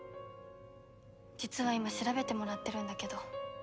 実は今調べてもらってるんだけど。